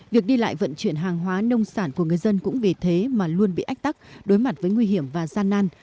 việc đi lại vận chuyển hàng hóa nông sản của người dân cũng vì thế mà luôn bị ách tắc đối mặt với nguy hiểm và gian nan